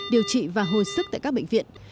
điều trị và hồi sức tại các bệnh viện